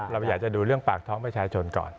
เราอยากจะดูเรื่องปากท้องประชาชนก่อน